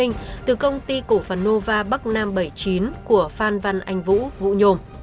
đây là công ty cổ phần nova bắc nam bảy mươi chín của phan văn anh vũ vũ nhồn